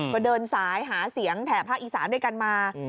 ก็เดินสายหาเสียงแถบภาคอีสานด้วยกันมา